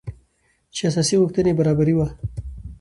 چې اساسي غوښتنې يې برابري وه .